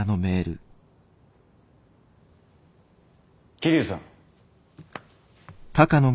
桐生さん。